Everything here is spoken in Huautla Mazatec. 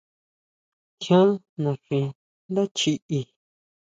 ¿Tjián naxi ndá chiʼí?